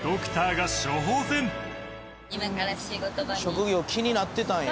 職業気になってたんよ。